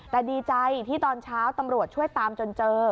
แต่ดีใจที่ตอนเช้าตำรวจช่วยตามจนเจอ